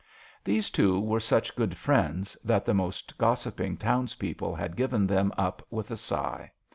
These two were such good friends that the most gossiping townspeople had given them up with a sigh.